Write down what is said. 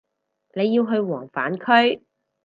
你要去黃泛區